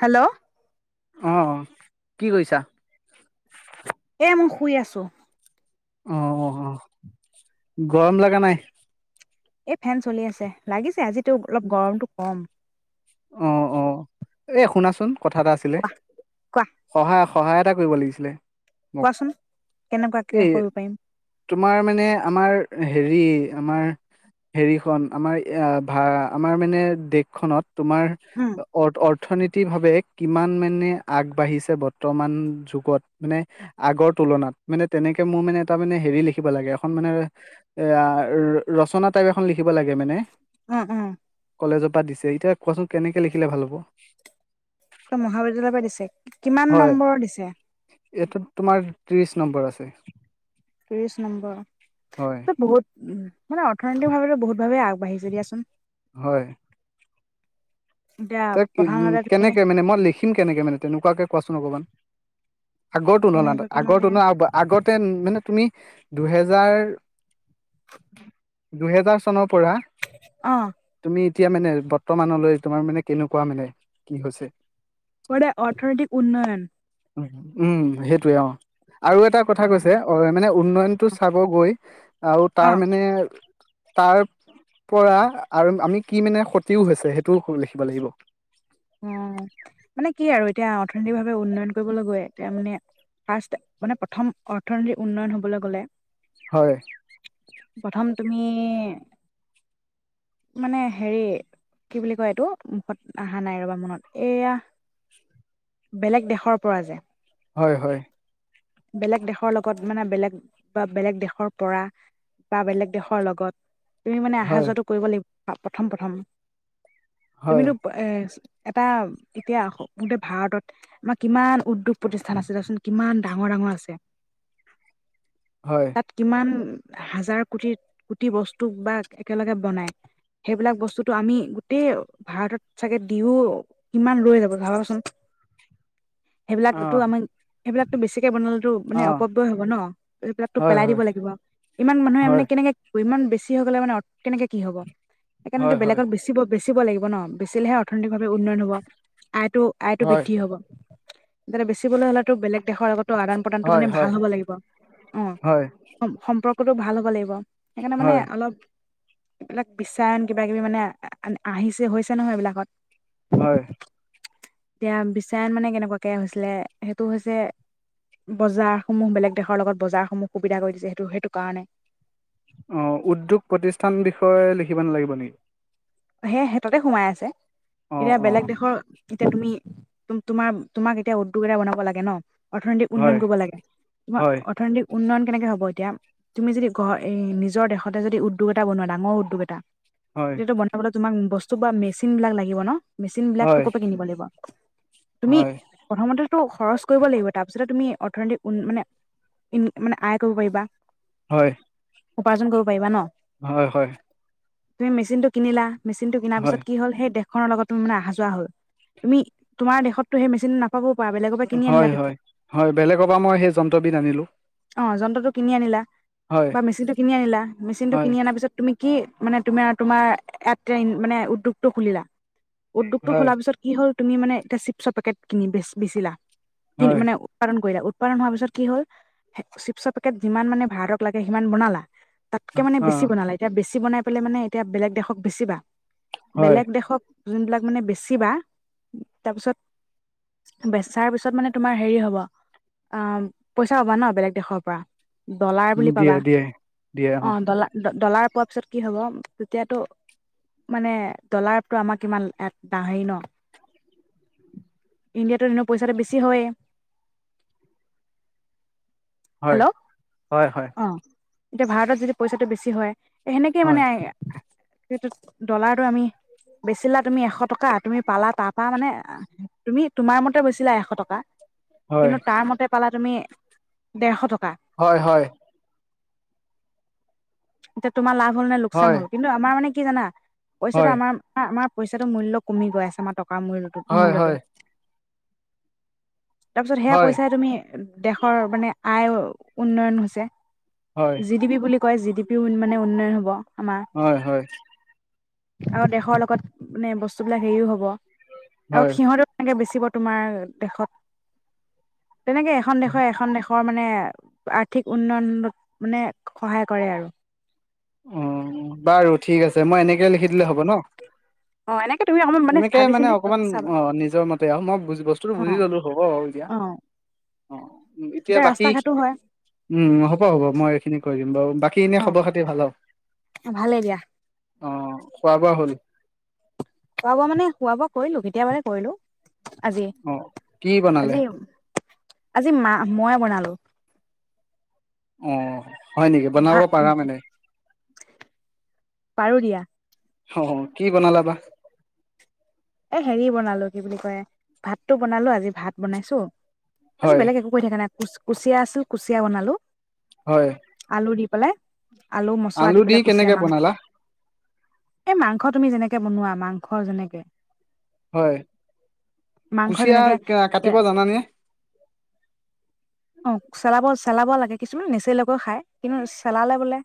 Hello অ কি কৰিছা এ মই শুই আছো অ অ অ গৰম লগা নাই এই ফেন চলি আছে, লাগিছে আজি টো অলপ গৰমটো কম এ শুনাচোন কথা এটা আছিলে কোৱা কোৱা সহায় স সহায় এটা কৰিব লাগিছিলে মোক কোৱাচোন কেনেকুৱাকে এই কৰিব পাৰিম তোমাৰ মানে আমাৰ হেৰি আমাৰ হেৰিখন আমাৰ এ ভা আমাৰ মানে দেশখনত তোমাৰ উম অৰ্থ অৰ্থনীতিভাৱে কিমান মানে আগবাঢ়িছে বৰ্তমান যুগত মানে আগৰ তুলনাত মানে তেনেকে মোৰ মানে এটা মানে হেৰি লিখিব লাগে এখন মানে এ ৰচনা টাইপ এখন লিখি ব লাগে মানে উম উম কলেজপা দিছে এতিয়া কোৱাচোন কেনেকে লিখিলে ভাল হ'ব। ত মহাবিদ্যালয়ৰ পৰা দিছে। কিমান নম্বৰ দিছে। এইটো তোমাৰ ত্ৰিশ নম্বৰ আছে। ত্ৰিছ নম্বৰ। হয় ত বহুত উম মান অৰ্থনৈতিক ভাৱে বহুত ভাৱে আগবাঢ়িছে দিয়া চোন। হয়। এতিয়া তম প্ৰধানতে তুমি কেনেকে মানে মই লিখিম কেনেকে মানে তেনেকুৱাকে কোৱাচোন অকমান। আগৰটো ননহলা তেনেকুৱাকে মানে আগৰো ন আগতে মানে তুমি দুহেজাৰ-দুহেজাৰ চন পৰা অ তুমি এতিয়া মানে বৰ্তমানলৈ তোমাৰ মানে কেনেকুৱা মানে কি হৈছে? [unintelligible] অৰ্থনৈতিক উন্নয়ন উ-উম সেইটোয়ে অ আৰু এটা কথা কৈছে অ মানে উন্নয়নতটো চাব গৈ আৰু অ তাৰ মানে তাৰ পৰা আৰু আমি কি মানে ক্ষতিও হৈছে সেইটোও লি ব লাগিব অ মানে কি আৰু এতিয়া অৰ্থনৈতিক ভাৱে উন্নয়ন কৰিবলৈ গৈ এতিয়া মানে ফাৰ্ষ মানে প্ৰথম অৰ্থনৈতিক উন্নয়ন হবলৈ গলে হয়। প্ৰথম তুমি মানে হেৰি কি বুলি কয় এইটো মুখত আহ অহা নাই ৰবা মনত এইয়া বেলেগ দেশৰ পৰা যে, হয়-হয় বেলেগ দেশৰ লগত মানে বেলেগ বা বেলেগ দেশৰ পৰা বা বেলেগ দেশৰ লগত তুমি মানে অহা হয়, যোৱাো কৰিব লাগিব প্ৰথম প্ৰথম হয়, তুমিতো এ এটা এতিয়া গট ভাৰতত আমাৰ কিমান উদ্যোগ প্ৰতিষ্ঠান আছে দেচোন কিমান ডাঙৰ ডাঙৰ আছে হয়, তাত কিমান হাজাৰ কোটি কোটি বস্তু বা একেলগে বনাই সেইবিলাক বস্তুটো আমি গোটেই ভাৰতত চাগে দিও কিমান লৈ যাব ভাবাচোন সেইবিলাকতো অ', আমি সেইবিলাক বেছিকে বনালো মানে অ', অপব্য় হব ন এইবিলাকটো হয়, পেলাই হয়, দিব লাগিব ইমান মানুহে হয়, মানে কেনেকে ইমান বেছি হৈ গলে মানে অ কেনেকে কি হব হয়, সেইকাৰণেতটো হয়, বেলেগতেছিব বেচিব লাগিব ন বেচিলে অৰ্থনৈতিক ভাৱে উন্নয়ন হব আয়টো আয়টো হয়, বৃদ্ধি হব [unintelligible] বেচিবলৈ হ'লেটো বেলেগ দেশৰ আগতো আদান প্ৰদানটো হয়, মানে হয়, ভাল হ'ব লাগিব অ হয়, সম্প কোতো ভাল হ'ব লাগিব সেইকাৰণে মানে হয়, অলপ এইবিলাক বিশ্বায়ন কিবা কিবি মানে আহিছে হৈছে নহয় এইবিলাকত হয় এতিয়া বিশ্বায়ন মানে কেনেকুৱাকে হৈছিলে সেইটো হৈছে বজাৰ সমূহ বেলেগ দেশৰ লগত বজাৰ সমূহ সুবিধা কৰি দিছে সেইটো সেইটো কাৰণে অ উদ্যোগ প্ৰতিষ্ঠান বিষয়ে লিখিব নালাগিব নেকি সে সেততে সোমাই আছে অ', এতিয়া বেলেগ অ', দেশৰ এতিয়া তুমি তোমাৰ তোমাক এতিয়া উদ্যোগ এটা বনাব লাগে ন অৰ্থনৈতিক উন্নয়ন হয়, কৰিব লাগে তোমাৰ হয়, অৰ্থনৈতিক উন্নয়ন কেনেকে হ'ব এতিয়া তুমি যদি ঘ এই নিজৰ দেশতে যদি উদ্যোগ এটা বনোৱা ডাঙৰ উদ্যোগ এটা হয় তেতিয়াতো বনাবলৈ তোমাক বস্তু বা মেচিন বিলাক লাগিব ন মেচিন বিলাকতো হয়, কপা কিনিব লাগিব তুমি হয়, প্ৰথমতেতো খৰচ কৰিব লাগিব তাৰপিছত তুমি অৰ্থনৈতিক উন মানে ইন মানে আয় কৰিব পাৰিব হয় উপাৰ্জন কৰিব পাৰিবা ন হয় হয় তুমি মেচিনটো কিনিলা মেচিনটো কিনাৰ হয়, পিছত কি হ'লে সৈই দেখ খনৰ লগত মানে অহা যোৱা হ'ল তুমি তোমাৰ দেশতো সেই মেচিন ন হয় হয় হয় বেলেগৰ পৰা মই সেই যন্ত্ৰবিধ আনিলো অ যন্ত্ৰটো কিনি আনিলা বা মেচিন টো কিনি আনিলা মেচিন টো হয়, কিনি অনাৰ পিছত তুমি কি মানে তুমি আৰু তোমাৰ এন মানে উদ্যোগটো খুলিলা উদ্যোগ হয়, হলাৰ পিছত কি হল তুমি মানে এতা চিপছৰ পেকেট কিনি বে বেচিলা কিন হয়, মানে উৎপাদন কৰিলা উৎপাদন হোৱা পিছত কি হ'ল চিপছৰ পেকেট যিমান মানে ভাৰতক লাগে সিমান বনালা তাতকে মানে বেছি অ', বনালা এতিয়া বেছি বানাই পলে মানে এতিয়া বেলেগ দেশক বেচিবা। হয়, বেলেগ দেশক যোনবিলাক মানে বেচিবা তাৰপিছত বেচাৰ পিছত মানে তোমাৰ হেৰি হ'ব অহ, পইচা পাবা ন' বেলেগ দেশৰ পৰা। ডলাৰ বুলি দিয়ে, পাবা দিয়ে, অ', ডলাৰ ড ডলাৰ পোৱাৰ পিছত কি হ'ব, তেতিয়াতো মানে ডলাৰটো আমাৰ কিমান হেৰি ন ইণ্ডিয়াতো এনে পইচাটো বেছি হয়ে হয়, হেল্ল' হয় হয়, অ এতিয়া ভাৰতত যদি পইচাটো বেছি হয় সেনেকে হয়, মানে সেটো, ডলাৰটো আমি বেচিলা তুমি এশ টকা, তুমি পালা তাৰপা মানে, তুমি তোমাৰ মতে বেচিলা এশ টকা হয়, কিন্তু তাৰ মতে পালা তুমি দেৰশ টক হয়, হয় এতিয়া তোমাৰ লাভ হ'ল নে লোকচান হয়, হ'ল? কিন্তু আমাৰ মানে কি জানা পইচাটো হয়। আমাৰ, আমাৰ পইচাটো মূল্য কমি গৈ আমাৰটকা কা মূল্য হয় হয় মূল্যটো- তাৰ পিছত সেয়া হয় পইচাই তুমি দেশৰ মানে আয় উন্নয়ন হৈছে হয় জি দিবি বুলি কয় জি ডি মানে উন্নয়ন হ'ব। আমাৰ হয় হয় আৰু দেশৰ লগত মানে বস্তুবিলাক হেৰিও হব। আৰু হয় সিহঁতো এনেকে বেছি তোমাৰ দেশত তেনেকে এখন দেশৰ এখন দেশৰ মানে আৰ্থিক উন্নয়নত মানে সহায় কৰে আৰু উ বাৰু ঠিক আছে মই এনেকে লিখি দিলে হ'ব ন, অ এনেকে তুমি অকমান এনেকেই ভাবি মানে চিন্তি অকমান চাবা অঁ নিজৰ মতে আৰু মই বস্তুটো অ বুজি ললো হ'ব আৰু এতিয়া অ অঁ এতিয়া বাকী ৰাস্তা ঘাটো হয় উম হ'ব হ'ব মই এইখিনি কৰি দিম বাৰু বাকী এনেই অ খবৰ খাতি ভাল আৰু। ভালেই দিয়া। অঁ খোৱা বোৱা হ'ল। খুৱাবোৱা মানে খোৱা বোৱা কৰিলো কেতিয়াবাতে কৰিলো। আজি অ' কি বনালে আজি-আজি মা মইয়ে বনালো। অঁ। হয় নেকি বনাব ভাত পাৰা মানে। আৰু দিয়া। অঁ, কি বনালা বা। এ হেৰি বনালো কি বুলি কয় ভাতটো বনালো আজি ভাত বনাইছো। আজি হয় বেলেগ একো কৰি থাকা নাই। কুচ কুচিয়া আছিল কুচিয়া বনালো। হয় আলু দি [unintelligible] আলু মচুৱা দি পেলাই কুচিয়া মাং, এই মাংস তুমি যেনেকে বনোৱা। মাংস যেনেকে। হয়, মাংস কুচিয়া যেনেকে কাটিব জানানে। অঁ চেলাব-চেলাব লাগে, কিছুমানে নেছেলকেও খাই কিন্তু চেলালে বোলে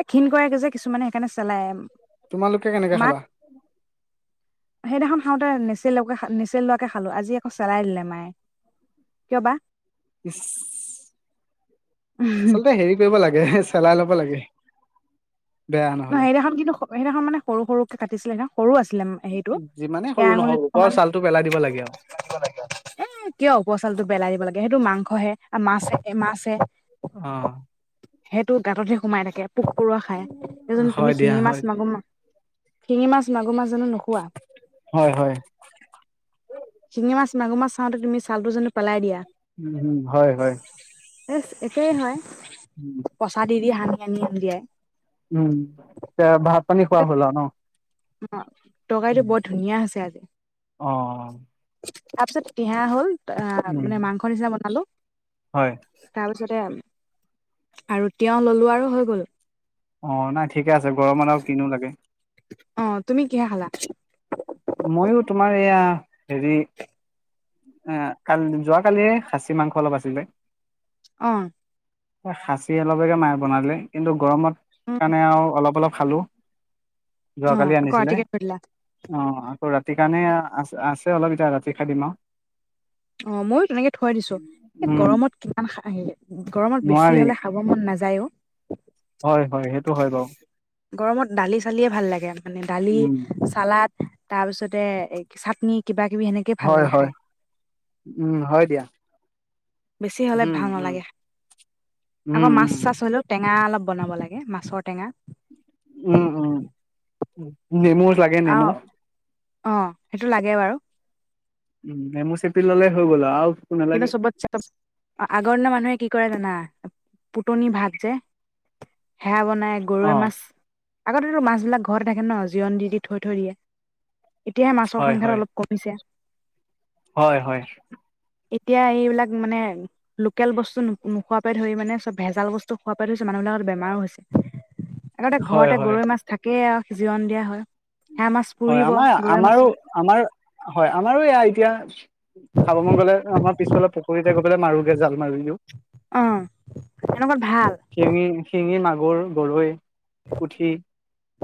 এ ঘিণ কৰেগে যে কিছুমানে সেইকাৰণে চেলাই আৰু। তোমালোকে কেনেকে খালা। সেইদিনাখন খাওঁতে নেচেলোৱাকে-নেচেলোৱাকে খালো, আজি আকৌ চেলাই দিলে মায়ে কিয় বা। ইচ্। আচলতে হেৰি কৰিব লাগে চেলাই ল'ব লাগে। বেয়া [unintelligible] নহ'লে। সেইদিনাখন কিন্তু সেইদিনাখন মানে সৰু সৰুকে কাটিচিলে ন, সৰু আছিলে সেইটো যিমানে কেয়া সৰু নহওক আঙুলিটো ওপৰৰ সমান, ছালটো পেলাই দিব লাগে আৰু এ কিয় ওপৰৰ ছালটো পেলাই দিব লাগে সেই টো মাংস হে মাছে মাছে অঁ। সেইটো গাঁততহে সোমাই থাকে। পোক পৰুৱা খায়। [unintelligible] তুমি হয় দিয়া সিঙি মাছ হয় মাগোৰ মা শিঙি মাছ মাগুৰ মাছ জানো নোখ খোৱা, হয় হয় শিঙি মাছ মাগুৰ মাছ চাওঁতে তুমি ছালটো জানো পেলাই দিয়া। উম হম হয়। ইয়েচ, এটাই হয় [inaudible] হানি হানি আন দিয়াই উম ত ভ পানী খোৱা হ'ল আৰু ন অ তৰকাৰীটো বৰ ধুনীয়া হৈছে আজি অ তাৰ পিছত হা হ'ল অ উম, মানে মাংসৰ নিচিনা বনালো হয় তাৰপিছতে আৰু তেওঁ ললোৱা হৈ গ'ল অ নাই ঠিকে আছে গৰমত আৰু কিনো লাগে অ তুমি কিহে খালা ময়ো তোমাৰ এয়া অ হেৰি আহ কাল যোৱ কালি খাচী মাংস অলপ আছিলে অ খাচী অলপকে মাৰ বনালে কিন্তু গৰমত সেইকাৰণে আৰু অলপ অলপ খালোঁ অ যোৱাকালি আকৌ আনিছিলে ৰাতিকে থৈ দিলা অ ৰাতি কাৰণে আ আছে অলপ এতিয়া ৰাতি খাই দিম আৰু অ মইয়ো তেনেকে থুৱাই দিছো উম গৰমত কিমান হে গৰমত বেছি নোৱাৰি হলে খাব মন নাযায়ও হয় হয় সেইটো হয় বাৰু গৰমত দালি চালিয়ে ভাল লাগে মানে দালি উম চালাদ তাৰ পিছতে এ চাটনি কিবা কিবি সেনেকে ভাল হয় লাগে হয় খাই উম হয় দিয়া বেছি হলে উম ভাল উম নালাগে আকৌ উম মাছ চাছ হলেও টেঙা অলপ বনাব লাগে মাছৰ টেঙা উম উম উ নেমু লাগে অ নেমু অ সেইটো লাগে বাৰু, উম নেমু চেপি ললে হৈ গ'ল আৰু, আৰু কিন্তু চবতচে, আগৰ দিনৰ মানুহে কি কৰে জানা? পুটনি ভাত যে, হেয়া বন নাই, অ গৰৈ মাছ আগতেতো মাছবিলাক ঘৰতে থাকে ন, জিৰণ দি দি থৈ থৈ দিয়ে। এতিয়াহে মাছৰ হয় হয় সংখ্যাটো অলপ কমিছে। হয় হয়। এতিয়া এইবিলাক মানে লোকেল বস্তু নো নোখোৱা পৰা ধৰি মানে চব ভেজাল বস্তু খোৱা পৰা ধৰিছে মানুহ বিলাকৰ তো বেমাৰো হৈছে। আগতে হয় ঘৰতে হয় গৰৈ মাছ থাকেই আৰু। জিৰণ দিয়া হয়। সেয়া মাছ হয় পুৰিব আমাৰ গৰৈ আমাৰো, মাছৰ আমাৰ হয় আমাৰো এয়া এতিয়া খাব মন গ'লে আমাৰ পিছ ফালৰ পুুৰীতে গৈ পেলাই মাৰোগে জাল। মাৰি দিও। অঁ, এনেকুৱাত ভাল। গুৰ, গৰৈ, পুঠি,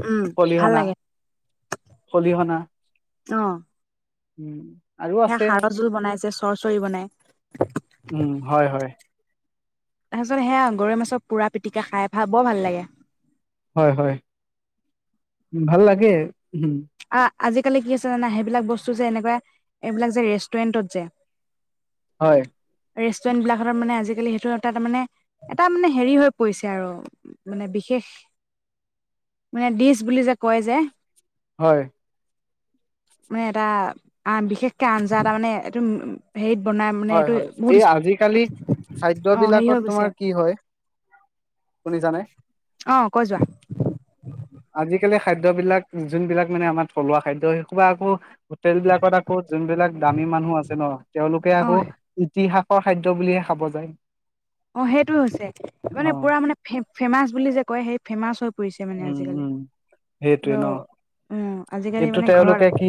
উম ভাল খলিহনা। লাগে খলিহনা। উম। আৰু সেই আছে হাড়ৰ জোল বনাই যে চু চৰ্চৰি বনাই। উম হয় হয়। তাৰপিছত সেয়া গৰৈ মাছৰ পুৰা পিটিকা খাই ভা বৰ ভাল লাগে। হয় হয়। ভাল লাগে। হম। আহ আজিকালি কি আছে জানা। সেইবিলাক বস্তু যে এনেকুৱা এইবিলাক যে, ৰেষ্টুৰেন্টত যে, হয়। ৰেষ্টুৰেন্ট বিলাকতে মানে আজিকালি সেইটো এটা তাৰ মানে এটা মানে হেৰি হৈ পৰিছে আৰু, মানে বিশেষ, মানে ডিচ বুলি যে কয় যে। হয়। মানে এটা, আ বিশেষকে আঞ্জা এটা মানে, এইটো উম উ হয় হয়। এই আজিকালি খাদ্য অ হেৰি বিলাকত হৈ গৈছে তোমাৰ কি হয়, কোনে জানে, অ, কৈ যোৱা। কালি খাদ্য বিলাক যোনবিলাক মানে আমাৰ থলুৱা খাদ্য, সেইসোপা আকৌ হোটেল বিলাকত আকৌ যোনবিলাক দামী মানুহ আছে ন, তেওঁলোকে অ আকৌ ইতিহাস খাদ্য বুলিহে খাব যায়। অ সেইটো হৈছে অ মানে পুৰা মানে ফে ফেমাচ বুলি যে কয় সেই ফেমাচ হৈ ফুৰিছে মানে উম আজিকালি উম ত সেইটোৱে ন উ কিন্তু তেওঁলোকে কি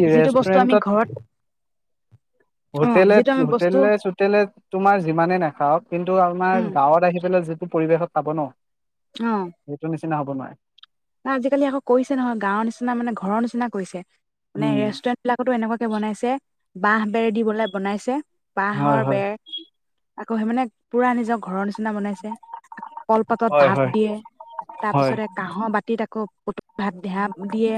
ঘৰত ৰেষ্টুৰেণ্টত অ হোটেলে যিটো আমি বস্তু হোটেলে চোটেলে তোমাৰ যিমানে নাখাওঁক কিন্তু টো আমাৰ উম গাঁৱত আহি পেলাই যেত পৰিৱেশত পাব ন অ সেইটো নিচিনা হ'ব নোৱাৰে ন আজিকালি আকৌ কৰিছে নহয় গাঁৱৰ নিচিনা মানে ঘৰৰ নিচিনা কৰিছে মানে উম ৰেষ্টুৰেণ্ট বিলাকতো এনেকুৱাকে বনাইছে বাহ বেৰ দি বলাই বনাইছে হয় বাঁহৰ হয় বেৰ আকৌ স মে পুৰা নিজৰ ঘৰৰ নিচনা না বনাইছে কলপাতত হয় ভাত হয় দিয়ে তাৰ হয়। পিছতে কাহ বাত আকৌ প ভাত দেহা দিয়ে